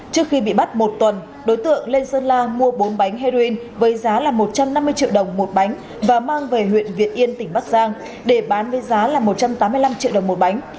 trước khi bị bắt một tuần đối tượng lên sơn la mua bốn bánh heroin với giá là một trăm năm mươi triệu đồng một bánh và mang về huyện việt yên tỉnh bắc giang để bán với giá là một trăm tám mươi năm triệu đồng một bánh